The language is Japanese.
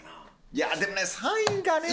いやでもね３位がね。